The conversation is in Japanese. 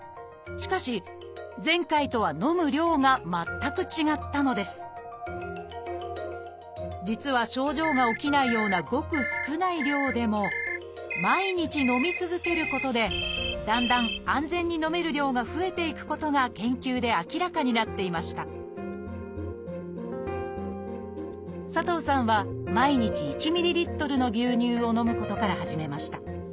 しかし前回とは飲む量が全く違ったのです実は症状が起きないようなごく少ない量でも毎日飲み続けることでだんだん安全に飲める量が増えていくことが研究で明らかになっていました佐藤さんは毎日１ｍＬの牛乳を飲むことから始めました。